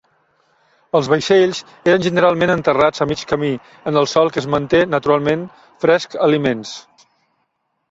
Els vaixells eren generalment enterrats a mig camí en el sòl que es manté naturalment fresc aliments.